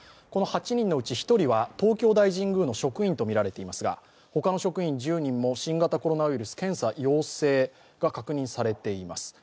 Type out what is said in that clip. この８人のうち１人東京大神宮の職員とみられていますが他の職員１０人も新型コロナウイルス、検査陽性が確認されています。